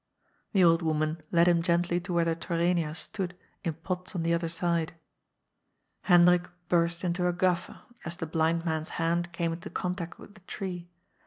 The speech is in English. The old woman led him gently to where the Torrenias stood in pots on the other side. Hendrik burst into a guffaw as the blind man's hand came into contact with the tree.